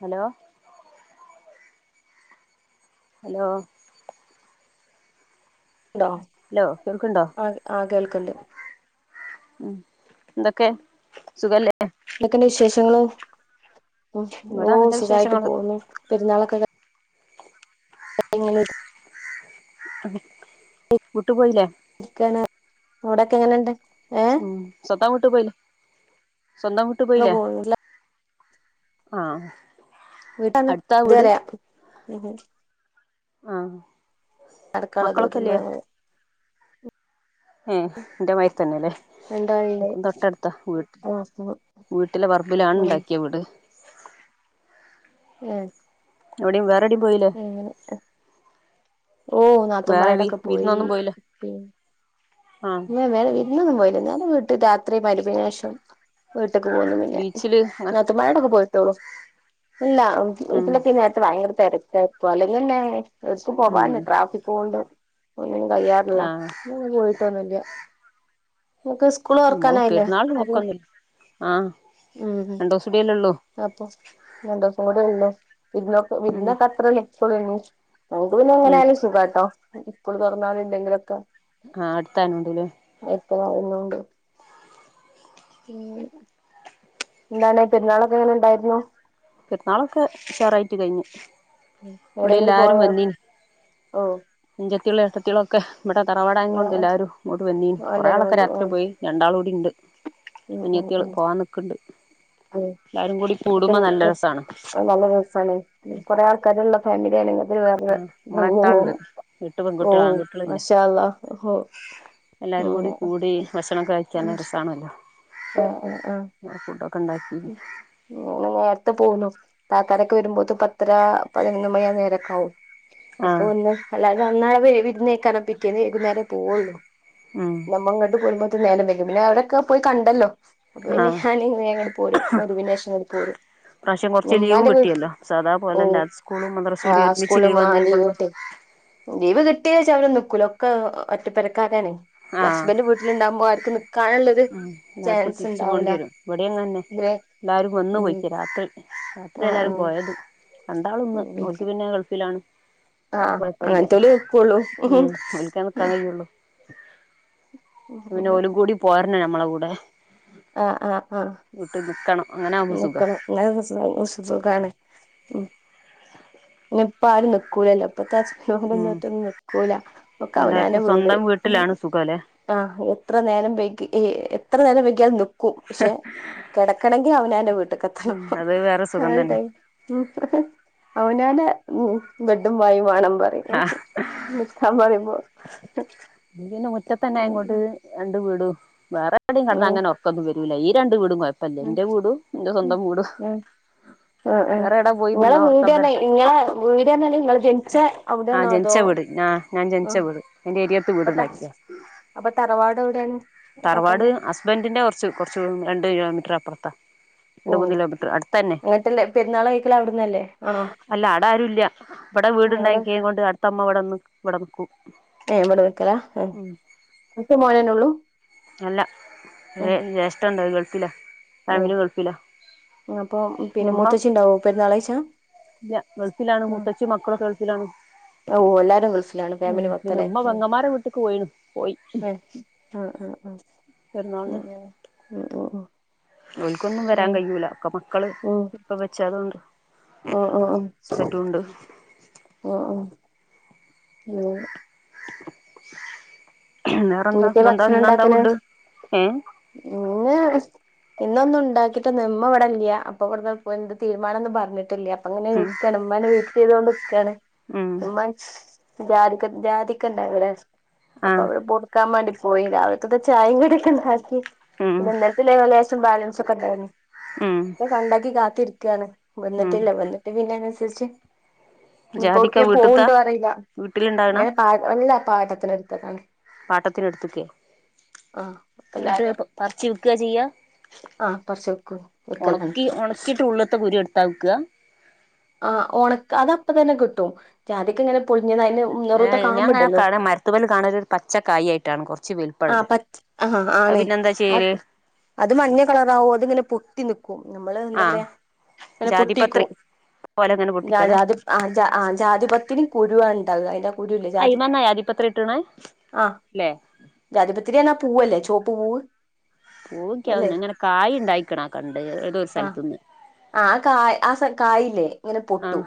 Hello hello ലോ hello കേൾക്ക്ണ്ടോ അഹ് ആ ക്കേൾക്ക്ണ്ട് മ് എന്തൊക്കെ സുഖല്ലേ? എന്തൊക്കെണ്ട് വിശേഷങ്ങള് മ് ഓ ഇവിടെ നല്ല സുഖയിട്ട് വിശേഷങ്ങള് പോവ്ന്നു പെരുന്നാളൊക്കെ [unintelligible] വീട്ട് പോയില്ലേ? ഇരിക്കാണ് അവിടൊക്കെ എങ്ങനെണ്ട്? ഏ മ് സ്വന്തം വീട്ടിൽ പോയ സ്വന്തം വീട്ട് ഒക്കെ പോയില്ലേ? പോന്നില്ല ആഹ വീട്ടിലാണ് ഇതുവരയാ മ് ആ അടു [unintelligible] ഏ ന്റെ മായ്രിതന്നെല്ലേ. രണ്ടാളുണ്ട് ൻക്കും തൊട്ടടുത്താ വീട് ആ വീട്ടിലെ പർബിലാണ് ഉം ണ്ടാക്കിയ വീട്. ഏ എവിടെ വേറെടിം പോയില്ലേ? അങ്ങനെ ഓ വേറെ വി നാത്തൂമാരൊടൊക്കെ പോയി വിരുന്നൊന്നും പോയില്ലേ പി ആഹ് വേറെ വിര്ന്നൊന്നും പോയില്ല ഞാൻ വീട്ട് രാത്രി മരിബിന്റെഷം പോവലൊന്നില്ല ബീച്ചില് അങ്ങനെ നാത്തൂൻമാരോടെക്കെ പോയിട്ടോള്ളൂ ഇല്ല ഉം ഇതിനൊക്കെ നേരത്തെ ഭയങ്കര തിരക്കായപ്പോ അല്ലെങ്കന്നെ എവ്ടുക്കും ഉം പോവാൻ ട്രാഫികോണ്ട് ഒന്നിനും കയ്യാറില്ല ആഹ് [unintelligible] പോയിട്ടൊന്നില്ല്യ നമുക്ക് നമ്മളും സ്കൂളോറക്കാനായില്ലേ പെരുന്നാളിന് ങ്ക്കോ പോക്കൊന്നുല്ല ആഹ് മ് രണ്ടൂസം കൂടിയല്ലേ ഉള്ളൂ അപ്പൊ രണ്ടുസം കൂടെള്ളോ വിര്ന്നൊക്കെ ഉം വിർന്നൊക്കെ അത്ര നിക്കോ നമുക്ക് പിന്നെ ഉം എങ്ങനെയാലും സുഖട്ടോ സ്കൂളൊറന്ലും ഇല്ലെങ്കിലൊക്കെ ആ അടുത്തായകൊണ്ടല്ലേ [unintelligible] എന്താണ് പെരുന്നാളൊക്കെങ്ങനെ ണ്ടായിരുന്നു? പെരുന്നാളൊക്കെ ഉഷാറായിട്ട് കഴിഞ്ഞു. എവിടെയെങ്കിലും ഇവിടെല്ലാരും പോയോ വന്നീന് ഓ അഞ്ചത്തിയോളും എട്ടത്തിയോളും ക്കെ ഇവടെ ആ തറവാടായങ്കൊണ്ട് ല്ലാരും ഇങ്ങോട്ടവന്നീനി ആ കുറേ എല്ലാരും ആളൊക്കെ വന്നു ആ രാത്രി പോയി രണ്ടാളൂടിണ്ട് ഉം ഉം അനിയതാള് ഉം പോകാൻ നിക്കണ്ട് എല്ലാരും കൂടി കൂടുമ്പോ നല്ല ഉം രസ നല്ല രസാണ് കൊറെ ആൾക്കാരുള്ള ഫാമിലിയാണെങ്കി വേരൊരു ഭംഗി നമ്മള് എട്ടാളുണ്ട് ന്നെയാണ് എട്ട് ഓ പെൺകുട്ടികള് ആൺകുട്ടികളില്ല മാശാഅള്ളാ ഓ എല്ലാരും കൂടി ഭക്ഷണക്കെ കഴിക്കാനരസണല്ല ഓ ഓ ആ. ഉണ്ടാക്കി നേരത്തെ പോന്നു. താത്താരൊക്കെ വരുമ്പോത്ത് പത്തര പതിനൊന്ന് മണി ആ നേരൊക്കെ ആകും. ഒക്കെ ആഹ് വന്ന് അല്ലാരുന്നവിടെ വിരുന്നെയ്ക്കാരം പിറ്റേന്ന് വൈകുന്നേരം പോവുള്ളൂ. ഉം നമ്മങ്ങോട്ട് പോരുമ്പോത്തെ നേരം വൈകും പിന്നെ അവിടെക്കെ പോയി കണ്ടല്ലോ അപ്പ പിന്നെ ആഹ് ഞാനി മഗ്‌രിബിനേശം ഇങ്ങട് പോരും പ്രാവശ്യം കുറച്ച് ലീവും ഉമ്മാന്റെ വീ കിട്ടിയല്ലോ ഓ സാദാപോലെല്ല സ്കൂളും മദ്രസൂടി ആഹ് ഒരുമിച്ച് സ്കൂളും ലീവ് ആഹ് ന്നനെ കൊണ്ട്. കിട്ടി ലീവ് കി [unintelligible] അവരും നിക്കൂല ഒക്കെ ഒറ്റപ്പെരക്കാരാണ് പ്പൊ ഹസ്ബൻന്റ് വീട്ടിലുണ്ടാകുമ്പോ ആര് മ് എല്ലാർക്കും തിരിച്ച് പോണ്ടിരും ഇവിടെ. ന്നെ ഇങ്ങനെ എല്ലാരും വന്ന് ഉം പോയിക്കെ രാത്രി രാത്രി ആഹ് എല്ലാരും ആഹ് പോയത് ഉം രണ്ടാളുന്ന് ഓല്ക്ക് പിന്നെ ഗൾഫിലാണ്. ആഹ് കുഴപ്പില്ല അങ്ങനത്തോല് നിക്കുള്ളൂ ഉം ഓല്ക്കെ നിൽക്കാൻ കഴിയുള്ളൂ. പിന്നെ ഓലും കൂടി പോരണം ഞമ്മളെ കൂടെ. ആ ആ ആ വീട്ടിൽ നിക്കണം അങ്ങനെ ആകുമ്പോ സുഖ നിക്കണം സു സുഖാണ് ഇപ്പം ആരുംനിക്കൂലല്ലോ. ഇപ്പത്തെ [unintelligible] ഉം റ്റൊന്നും നിക്കൂല ഒക്കെ അവനാന്റെ എല്ലാർക്കും വീട് സ്വന്തം വീട്ടിലാണ് സുഖല്ലേ ആ എത്ര നേരം വൈകി എത്ര നേരം വൈകിയാലും നിക്കും പക്ഷെ കിടക്കണെങ്കി അവനാന്റെ ഉം വീട്ട്ക്കെത്തണം അത് വേറെ സുഖം തന്നെ ആ അവനനാ ബെഡും വായും വേണം പറിം നിക്കാൻ പറയുമ്പോ. ന്റിന്നെ ഉം മുറ്റത്തന്നെയ്ങ്ങോട്ട് രണ്ട് വീടും വേറെവിടെയും ഉം കിടന്നങ്ങെനെർക്കൊന്നും വരൂല ഈ രണ്ട് വീ ട് കുയപ്പല്ല ഉം ന്റെ വീടും ന്റെ സ്വന്തം വീടും. ആ ആ വേറെ എവിടെ പോയി നിങ്ങളെ നിന്നാ ഉറക്കം വര വീട്ന്നറഞ്ഞ ങ്ങളെ വീട്റഞ്ഞാൽ നിങ്ങള് ജനിച്ച ആ അവിടെണോ ജനിച്ച അതോ? ഞാൻ ജനിച്ച ആഹ് വീട് എന്റെ ഏരിയത്ത് അപ്പൊ ത വീടുണ്ടാക്കിയാ അപ്പൊ തറവാട് എവിടെയാണ് തറവാട് കാക്കാന്റെ ഹസ്ബന്റിന്റെ കുറച്ച് രണ്ട് കിലോമീറ്ററപ്പുറ ഓ അങ്ങനത്തെള്ള പെരുന്നാളഴിക്കലവിടുന്നല്ലേ ആണോ? അല്ല ആടരുല്ല ഇവിടെ അവിടെ വീടുണ്ടക്കികൊണ്ട് അടുത്തമ്മ ഇവിടെന്ന് ഇവിടെ നിക്കൂ ഏ ഇവടെ ക്കല ഒറ്റ മോനന്നെള്ളൂ? അല്ല ജെഷ്ട്ടണ്ട അത് ഗൾഫിലാ ഏഹ് ഫാമിലി ഗൾഫിലാ. അപ്പൊ പിന്നെ നമ്മ മൂത്തച്ചി ഉണ്ടാവോ പെരുന്നാള് കഴിച്ചാ ല്ല ഗൾഫിലാണ് ആ മുത്തച്ചി മക്കളൊ ഗൾ ഫിലാണ് ഓ ഓ എല്ലാരും ഗൾഫിലാണ് ഫാമിലി മൊ പിന്നെ ത്തലെ ഉമ്മ പെങ്ങന്മാരെ വീട്ട്ക്ക് പോയിണ് പോയി അ അ പെരുന്നാളിന് അ [unintelligible] ഓൽക്കൊന്നും വെരാൻ കയ്യൂല ഒക്കെ മക്കള് ഉം ഉം ഇപ്പ വെച്ചായതോണ്ട്. ഉം ഉം ഹസ്ബന്റുണ്ട് മ് [inaudible] വേറെന്താ എന്തൊക്കെ ഇന്നെന്താ ഭക്ഷണം ഇന്നെന്താ ഇണ്ടാക്കല് ഫുഡ് ഏ ഇന്ന് ഇന്നൊന്നും ഉണ്ടാക്കിട്ടുന്നൂല്ല്യ ഇമ്മ ഇവടല്ല്യ അപ്പൊ ഇവിടെന്ന് പ്പോ എന്ത് തീരുമാനൊന്നും പറഞ്ഞിട്ടില്ല. അങ്ങനെ ഉം നിക്കാണ് ഇമ്മാനെ വെയിറ്റ് ചെയ്തൊണ്ട് നിക്കാണ് ഉം ഇമ്മാ ജാതിക്ക ജാതിക്കണ്ടവിടെ ആ അപ്പൊ അവിടെ പോർ ക്കാൻ മാണ്ടി പോയി രാവിൽക്കത്തെ ചായിം കടിയൊക്കെ ഇണ്ടാക്കി ഉം പിന്നെ ഇന്നലെത്തെ ലേഷ് ബാലൻസൊക്കെ ഇണ്ടാരുന്നു ഉം ഇപ്പ ഇ ണ്ടാക്കി കാത്തിരിക്കണ് ഉം വന്നിട്ടില്ല വന്നിട്ട് പിന്നെ [unintelligible] ഞ്ഞിപ്പോ ജാതിക്ക ഒട്ക്കെ വീട്ട്ത്താ പോവ്ണ്ടോ അറീല്ല. വീട്ടില്ണ്ടാക്ണ ഇങ്ങനെ പാ അല്ല പാട്ടത്തിന് ഇട് ത്തതാണ്. ഇട്ത്ക്കെ അപ്പ എന്നിട്ട് എല്ലാരും പറിച്ച് വിൽക്കാ ചെയ്യാ? ആ പറിച്ച് വെക്കും വെക്കലാണ് ഉണക്കി ഉണക്കിട്ട് ഉള്ള്ത്തെ കുരു എടുതാ വിക്കാ? ആ ഓണക്ക് അതപ്പതെന്നെ കിട്ടും ജാതിക്ക ഇങ്ങനെ പൊളി ഞാൻ ഇങ്ങ കാണ മരത്ത്മൽ കാണൽ ഇങ്ങനെ ഒരു പച്ചക്കായി ആയിട്ടാണ് കൊർ ആ പച്ച ഹാ ആണ് അ ചെയ്യല് അത് മഞ്ഞ കളറാവോ അതിങ്ങനെ പൊത്തി നിക്കും ഞമ്മള് എന്താ ആ പറയാ? അങ്ങനെ ജാതിപത്രി പൊട്ടിക്കും പോലെങ്ങനെ ജാ പൊട്ടിക്കലാ ജാതി ആ ജാതിപത്തിരി കുരുവാ ണ്ടാവാ അയിന്റെ അയിമെന്ന ജാതി പത്രി കിട്ട്ണേ ല്ലേ? ജാതിപത്രി എന്നാ പൂവല്ലേ ചോപ്പ് പൂവ്. പൂവിക്ക്യവും അല്ലെ ഞാങ്ങനെ കായ് ഇ ണ്ടായിക്കണ കണ്ട് ഏതോരു ആ സ്ഥലത്തന്ന്. ആ കായ് ആ സ കായില്ലേ ഇങ്ങനെ പൊട്ടു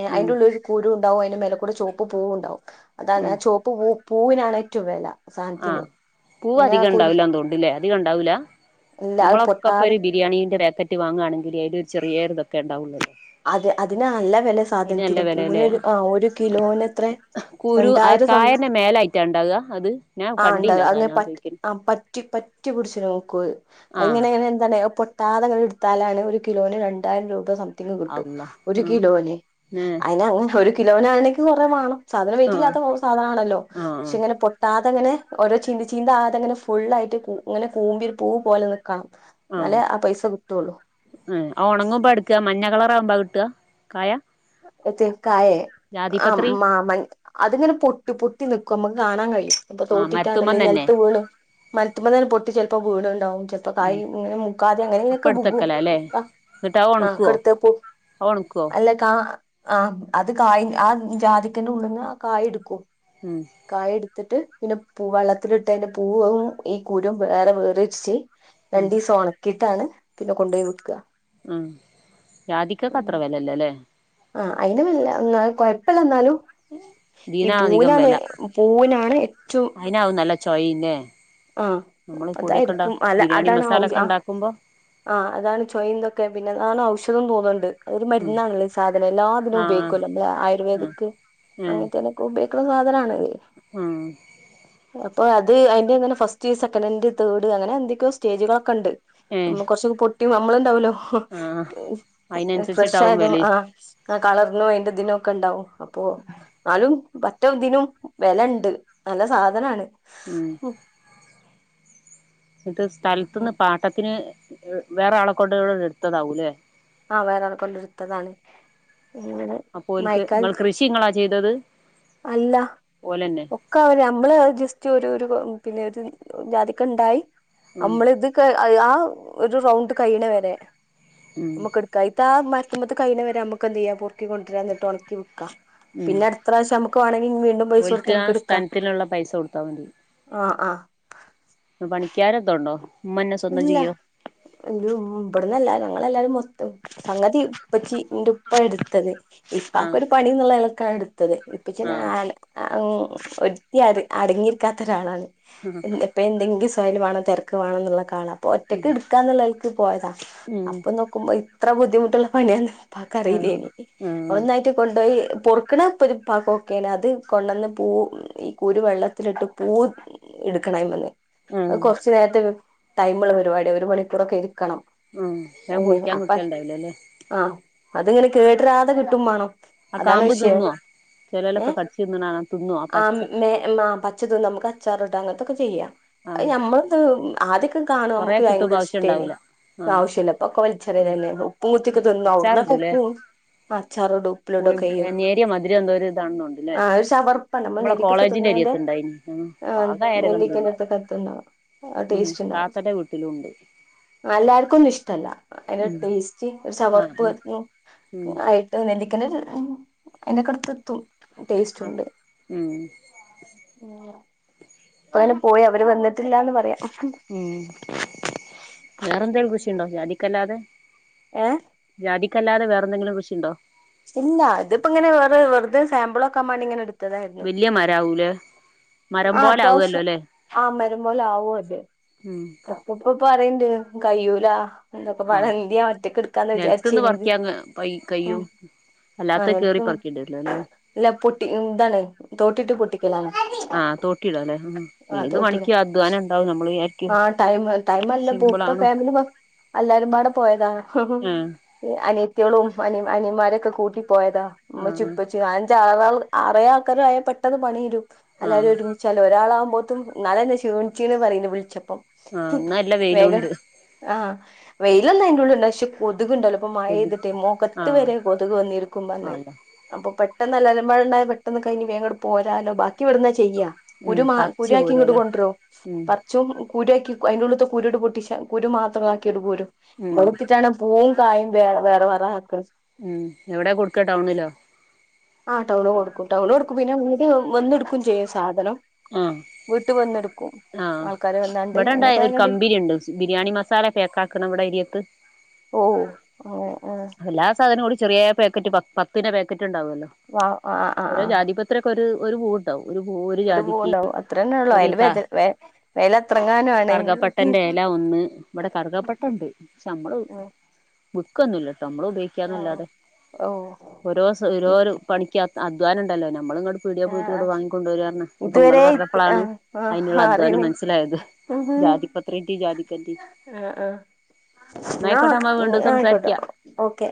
ഏ ഉം അയ്ന്റെ ഉള്ളിൽ ഒരു കുരു ഇണ്ടാവും അയിന്റെ മേലക്കൂടെ ചോപ്പ് പൂവുണ്ടാവും. അതാണ് ഞ ചുവപ്പ് പൂ പൂവിനാണ് ഏറ്റവും വെല. ആ പൂവ് അധികം ഇണ്ടാവൂല തോന്ന്ണ്ട്ലേ അധികം ഉണ്ടാവൂല? ഇല്ല അത് നമ്മളൊക്കെ ഇപ്പൊ പൊട്ടാതെ ഒരു ബിരിയാണീന്റെ പേക്കറ്റ് വാങ്ങാ ണെങ്കിൽ അയില് ഒരു ചെറിയ ഇതൊക്കെ ഉണ്ടാവൊള്ളൂ. അത് അതിന് നല്ല വെലെ സാധനത്തിന് വിലയല്ലേ പൂനൊരു ആ ഒരു കിലോനെത്രെ? കുരു ആ കായന്റെ മേലായിറ്റാ ഇണ്ടാവ അത് ഞാൻ ആ കണ്ടില്ല ഉണ്ടാവാ കാന അഹ്ങ്ങനെ പ ചോദിക്കല് പറ്റി പറ്റി പിടിച്ച് ങ്ങനെ നിക്കത് ആഹ് അഹ്ങ്ങനെങ്ങനെ എന്താണ് പൊട്ടാതെ ഇങ്ങനെ ഇട്ത്താലാണ് ഒരു കിലോന് രണ്ടായിരം രൂപ സംതിങ് അള്ളാ ഒരു ആഹ് കിലോന് ഏ അയിനങ്ങ ഒരു കിലോനാണെങ്കിൽ കൊറെ വാണം. സാധനം ആഹ് വെയ്റ്റില്ലാത്ത പോ സാധനണല്ലോ ആഹ് പക്ഷെ ഇങ്ങനെ പൊട്ടാതെങ്ങനെ ഓരോ ചീന്ത് ചീന്ത്‌ അകതെങ്ങനെ ഫുള്ളായിട്ട് ഇങ്ങനെ കൂമ്പി പൂ പോലെ നി ആ ഏ ഒണങ്ങുമ്പോ എടുക്ക മഞ്ഞ കളറാവുമ്പോ [unintelligible] കായ എത് കായേ ആ ജാതിപത്രി മാമ അതിങ്ങനെ പൊട്ട് പൊട്ടി നിക്കും നമ്മക്ക് കാണാൻ കഴിയും. അപ്പൊ ആഹ് തോട്ടിട്ടല്ലേ മരത്തുമ്മേന്ന് തന്നെ നിലത്ത് വീണ് മലത്തുമ്പോതെന്നെ പൊട്ടി ചിലപ്പോ വീണ്ണ്ടാവും. ചപ്പോ ഉം കായിം ഇങ്ങനെ മുക്കാൽ അങ്ങനെ അപ്പ ഇങ്ങനെയൊക്കെ ബുഗ്ഗും എടുത്തക്കലാ അല്ലേ ആ കെട്ത്ത് പോ അഹ് ഒണക്കോ? ആ അ അത് കായ് ആ ജാതിക്കെന്റെ ഉള്ള്ന്ന് ആ കായ് എട്ക്കും. ഉം കായ് എടുത്തിട്ട്. പിന്നെ പൂ വള്ളത്തിലിട്ട് അയിന്റെ പൂവും ഈ കുരുവും വേറെതിരിച്ച് ഉം രണ്ടീസം ഒണക്കിട്ടാണ് പിന്നെ കൊണ്ടോയി വിക്കാ മം ജാതിക്കക്ക് അത്ര വേലല്ലല്ലേ? ആ അയിന് വല്ല്യ ന്ന കൊയപ്പല്ലാ ഇ ന്നാലും. ഈ ഇതിനാ അധികം പൂവിനാണ് വില പൂവിനാണ് ഏറ്റവും ചൊയിം ലെ ആ അതായിരിക്കും അല്ല ബിരിയാണി അതാണ് മസാല ഒക്കെ [unintelligible] ഉണ്ടാക്കുമ്പോ ആ അതാണ് ചൊയിം തൊക്കെ പിന്നെ അതാണ് ഔഷധം തോന്നു അത് ഒരു ഉം മരുന്നാണല്ലോ ഈ സാധനം എല്ലാതിനും ആഹ് ഉപയോഗിക്കുവല്ലോ നമ്മള് ആഹ് ആയുർവേദിക് അങ്ങനത്തേനക്കെ ഉപയോഗി ക്കുന്ന സാധനാണ്. ഉം അപ്പോ അത് അതിന്റെങ്ങനെ ഫസ്റ്റ് സെക്കനൻഡ് തേർഡ് അങ്ങനെ എന്തൊക്കെയോ സ്റ്റേജുകളൊക്കെണ്ട്. ഉം ഏഹ് കൊറച്ചൊക്കെ പൊട്ടിയും നമ്മള്ണ്ടാവല്ലോ ആഹ് [unintelligible] അയിനനുസരിച്ചിട്ടാവും ഫ്രഷായതും ആ വിലയും ആ കളർനോ അയിന്റെ ദിനോ ഒക്കെ ഉണ്ടാവും അപ്പോ ന്നാലും മറ്റേ ഇതിനും വെലണ്ട് നല്ല സാധനാണ്. ഉം ഇത് സ്ഥലത്തു നിന്ന് പാട്ടത്തിന് വേറെ ആളെക്കൊണ്ട് ഇ ഇട്ത്തതാവൂലെ. ആ വേറെ ആൾ കൊണ്ട് ഇട്ത്തതാണ്. അപ്പോ ഓല്ക്ക് ഇങ്ങൾ കൃഷി ഇങ്ങളാ ചെയ്തത്. അല്ല ഓലന്നെ ഒക്കെ അവര് നമ്മള് ജസ്റ്റ് ഒരു ഒരു പിന്നെ ഒരു ജാതിക്ക ഉണ്ടായി ഉം നമ്മള് ഇത് ക ആ ഒരു റൗണ്ട് കഴ്ണേ വരെ ഉം നമുക്ക് എടുക്കാം ഇതാ ആ മരത്തുമത്തെ കഴ്ണെ വരെ നമുക്ക് എന്ത്യ്യാ പൊ ർക്കി കൊണ്ടരാ ന്നട്ട് ഒണക്കി വിക്കാ ഉം പിന്നെ അടുത്ത പ്രാവശം നമക്ക് വാണ വീണ്ടും പൈസ കൊടുത്ത് ഓൽക്ക് ആ നമക്ക് എടുക്ക സ്ഥലത്തിനുള്ള പൈസ കൊടുത്താ മതി ആ ആ. പണിക്കാരന്തോ ഉണ്ടോ ഉമ്മന്നെ സ്വന്തം ചെയ്യോ? ഇവിടന്ന് എല്ലാരും ഞങ്ങളെല്ലാരും മൊത്തം സംഗതി പ്പച്ചി ന്റെ ഉ ഇപ്പ എടുത്തത് ഇപ്പാക്ക്‌ ആഹ് ഒരു പണിന്നുള്ള നെലക്കാണ് എ ത്തത് ഇപ്പച്ചിന്നെ ആഹ് ആ ഒരുത്തി അ അടങ്ങിയിരിക്കാത്ത ഒരാളാണ്. ഇപ്പൊ എന്തെങ്കിലും സൊകൽ വാണം തെരക്ക് വാണം ന്നുള്ളക്ക ആളാ. പ്പൊ ഉം ഒറ്റയ്ക്ക് ഇട്ക്കാന്നുള്ളൽക്ക് പോയതാ, അപ്പൊ നോക്കുമ്പോ ഇത്ര ബുദ്ധിമുട്ടുള്ള പണിയാന്ന് പ്പാക്ക് ആഹ് അറീലേനി, ആഹ് ഒന്നായിട്ട് കൊണ്ടോയി പൊറുക്കണക്കെ ഇപ്പാക്ക് ഓക്കെയാണ്. അത് കൊണ്ടന്ന് പൂ ഈ കുരുവെള്ളത്തിലിട്ട് പൂ ഇട്ക്കണയിമ്മന്ന്. അത് ആഹ് കൊറച്ച് നേരത്തെ ടൈമുള്ള പരിപാടിയ, ഒരു മണിക്കൂറൊക്കെ ഇരി ക്കണം. ആഹ് വേം ഇനി പൊളിക്കാൻ അപ്പ കിട്ടല്ണ്ടാവൂലല്ലേ ആ അതിങ്ങനെ കേട്രാതെ കിട്ടും മാണം. ആ കാമ്പ് തിന്ന്വോ? ഏ ആ മ് മേ മ്ആ പച്ചതിന്ന നമ്മക്ക് അച്ചാറ്ടാ അങ്ങ അതൊക്കെ ചെയ്യാ, അത് ആഹ് ഞമ്മൾത് ആദ്യക്കെ കാണുമ്പോ കൊറേ നമ്മക്ക് കിട്ടുമ്പോ ഭയങ്കര ഇഷ്ടേനി. ആവശ്യണ്ടാവൂല ആഹ് പ്പൊആവശ്യില്ല. ഇപ്പൊക്കെ ഉം വലിച്ചറിയലന്നെന്നു. ഉപ്പും കുത്തിയൊക്കെ തിന്നാ. അവ്ട്ന്നൊക്കെ അച്ചാറ്ടൂലേ ഉപ്പും പ്പ അച്ചാർടും പുളി ഉപ്പിലോടൊക്കെയ്യും. നേരിയ മധുരം എന്തോ ഒരു ഇതാണെന്നുണ്ട്ല്ലേ ആ ഒരു ചവർപ്പാണ്, നമ്മള് നമ്മളെ നെല്ലിക്കൊക്കെ കോളേജിന്റെ തിന്ന ന്റെ അരിയത്ത്ണ്ടായിനി ഉം ആ പാകായാരെ നെല്ലിക്കന്റെ കണ്ടില്ല അട്ത്തക്കെത്ത്‌ണ്ടാവും. ആ ഉം ടേസ്റ്റ് ഉണ്ടാവും. താത്തന്റെ വീട്ടിലുണ്ട് ആ എല്ലാർക്കു ഒന്നും ഇഷ്ടല്ല. അയ്ന്റെ ഒരു ഉം ടേസ്റ്റ് ഒരു ആഹ് ചവർപ്പ് ആഹ് [unintelligible] ഉം ആയിട്ട് നെല്ലി ക്കന്റെ ഉം അയിന്റെക്കടുത്ത് എത്തും. ടേസ്റ്റ് ഉണ്ട്, ഉം ഏ അയിന് പോയി അവര് വന്നിട്ടില്ലാന്ന് പറയാ. ഉം.. വേറെന്തെലും കൃഷിണ്ടോ ജാതിക്കല്ലാതെ? ഏ ജാതിക്കല്ലാതെ വേറെന്തെങ്കിലുംകൃഷിണ്ടോ. ഇല്ല ഇതിപ്പോങ്ങനെ വേറെ വെറുതെ സാമ്പിളോക്കാൻ മാണ്ടി ഇങ്ങനെ ഇടു വല്ല്യ മരാവൂലേ. മരം ആ പോലെ അത്യാവശ്യം, ആവല്ലോല്ലേ ആ മരം പോലെ ആവും അത്. ഉം പപ്പ പ്പ പറിണ്ട് കയ്യൂലാ ഇതൊക്കെപ്പാടെ ആഹ് ഇത് ഞാൻ ഒറ്റക്ക് ഇട്ക്കാന്ന് നിലത്ത്ന്ന് വിചാരിച്ചയ്നി ഇത് പറിക്കാൻ ഉം കയ്യും ആ അല്ലാത്ത കേറി ഉം പറിക്കേണ്ടിവരില്ലല്ലേ ഇല്ല പൊട്ടി, ഇതാണ് തോട്ടിട്ട് പൊട്ടിക്കലാണ് ആ തോട്ടിട ലേ, ഉം ഏത് തോട്ടിട പണിക്കും അധ്വാനംണ്ടാവും നമ്മള് വിചാ- ആ ടൈം, ടൈമല്ല പോ ഇപ്പ ഫാമിലി മൊ അല്ലാരുംപാടെ പോയതാ ഹ് ഹും ആഹ് അനിയത്തിയളും അനിയന്മാരെ ഒക്കെ കൂട്ടി പോയതാ ഉമ്മച്ചിം ആഹ് ഉപ്പച്ചി അൻ്റി ആ ആറേഴ്‌ ആൾക്കാരായ പെട്ടെന്ന് പണി തീരും, എല്ലാരും ആഹ് ഒരുമിച്ചാല് ഒരാളാവുമ്പ ത്തും ന്നാലെന്നെ ക്ഷീണിച്ചീണ് പറീണ്ട് വിളിച്ചപ്പം. ആഹ് ഹ് ഇന്ന് നല്ല വേഗം വെയിലുണ്ട് ആഹ വെയിലൊന്നും അയ്ന്റെ ഉള്ള് ല്ല. പക്ഷെ കൊതു- ക്ണ്ടല്ലോ പ്പം മഴ കൊതു പെയ്തിട്ടേ, മുഖത്ത് ആഹ് വരെ കൊതുക് വന്നിരിക്കും പറഞ്ഞ്, അല്ല അപ്പൊ പ പെട്ടന്ന് എല്ലാരുംപാടെണ്ടായ പെട്ടെന്ന് കഴിഞ്ഞ് വേംങ്ങട്ട് പോരാലോ, ബാക്കി വിടന്നച്ച് ചെയ്യ ഉം കുരു മാ കുരു പറിച്ച് ആക്കി ഇങ്ങോട്ട് പോരാല്ലേ കൊൻട്രും പ ഉം കുരുആക്കി അയിന്റെ ഉള്ള്ത്തെ കുരുട് പൊട്ടിച്ച കുരു മാത്രം ആക്കിട് പോരും ഉം വടെത്തിട്ടാണ് പൂവും കായിം വേ വേറെ വേറെ ആക്ക ഉം എവിടെയാ കൊടുക്ക ടൗണിലോ ആ ടൗണ് കൊടുക്കും. ടൗൺ കൊടുക്കും പിന്നെ ഇങ്ങട്ട് വന്നെട്ക്കും ചെയ്യും സാധനം വീട്ട് വന്ന്ടുക്കും ആ ഇവിടെ ഇണ്ട ഒരു കമ്പിനിണ്ട്. ബിരിയാണി മസാല പേക്കാക്ക്ണെ, ഇവിടെരിയത്ത് ഓ ഓ എല്ലാ സാധനവും കൂടി ചെറ്യേ പാക്കറ്റ് പ പത്തിന്റെ പാക്കറ്റ് റ്റ്ണ്ടാവല്ലോ വാ ആഹ് ആഹ് ഓരോ ആഹ് ജാതിപത്രിയൊ ക്കെ ഒരു ഒരു പൂവുണ്ടാവും ഒരു പൂവ് ഒരു ജാതിക്ക പൂവുണ്ടാവും അത്ര തന്നെ ഉള്ളു ഒരു അതിന് ക വെത വെ വെല എത്രങ്ങാനുമാണ് കർഗപ്പട്ടന്റെല ഒന്ന് ഇവിടെ കറുകപ്പട്ടണ്ട് പക്ഷെ നമ്മള്, വ്ക്കൊന്നുംല്ലട്ടോ, നമ്മള് ആഹ് ഉപയോഗിക്കാന്നല്ലാതെ, ഓ ഓരോ സൗ രോരുപണിക്കാ അധ്വാനം ഉണ്ടല്ലോ ന നമ്മള് ഇങ്ങട്ട് പീടിയെ പോയിട്ട് ആഹ് ഇങ്ങട്ട് ആഹ് വാങ്ങികൊണ്ടോരാണ്. ഇപ്പൊ ഇതുവരെ ങ്ങള് പറഞ്ഞപ്പളാണ് ആഹ് ആഹ് അയ്നുള്ള അധ്വാനം അറിയണേ മനസ്സിലായത്. ജാതിപത്രിന്റിം ജാതിക്കാന്റെം ആ ആ ന്നാ നമ്മ ഓക്ക് വീണ്ടും ആയിക്കോട്ടെ സംസാരിക്കാം ഓക്കെ